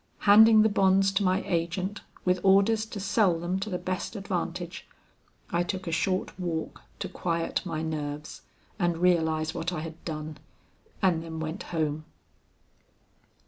Handing the bonds to my agent with orders to sell them to the best advantage, I took a short walk to quiet my nerves and realize what I had done, and then went home.